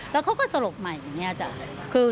แล้วเขาก็สลบใหม่อย่างนี้อาจารย์คือ